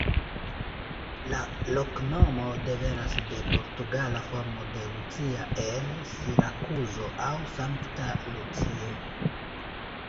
La loknomo devenas de portugala formo de Lucia el Sirakuzo aŭ "Sankta Lucio".